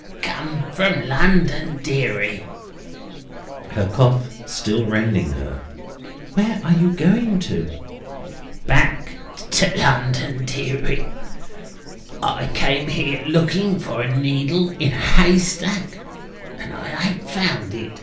"Come from London, deary." (Her cough still rending her.) "Where are you going to?" "Back to London, deary. I came here, looking for a needle in a haystack, and I ain't found it.